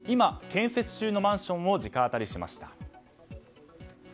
都内の今、建設中のマンションを直アタリしました。